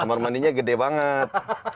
kamar mandinya gede banget